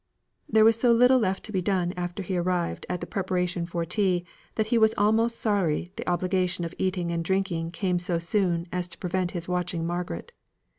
There was so little left to be done after he arrived at the preparation for tea, that he was almost sorry the obligation of eating and drinking came so soon to prevent him watching Margaret.